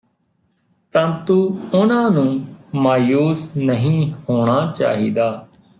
ਪਰੰਤੂ ਉਨ੍ਹਾਂ ਨੂੰ ਮਾਯੂਸ ਨਹੀਂ ਹੋਣਾ ਚਾਹੀਦਾ